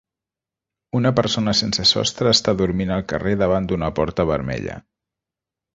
Una persona sense sostre està dormint al carrer davant d'una porta vermella.